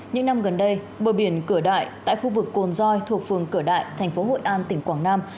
những năm gần đây bờ biển cửa đại tại khu vực cồn doi thuộc phường cửa đại thành phố hội an tỉnh quảng nam